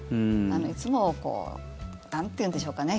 いつもなんていうんでしょうかね